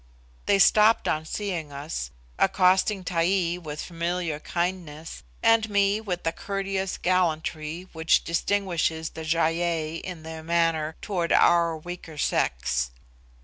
They stopped on seeing us, accosting Taee with familiar kindness, and me with the courteous gallantry which distinguishes the Gy ei in their manner towards our weaker sex.